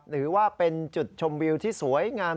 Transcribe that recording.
หรือว่าเป็นจุดชมวิวที่สวยงาม